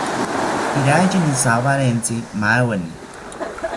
Iraiyini jawarentzi maaweni